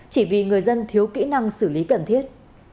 chỉ vì người dân thiếu kỹ năng xử lý cần thiết